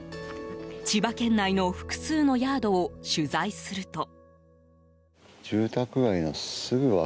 千葉県内の複数のヤードを取材すると。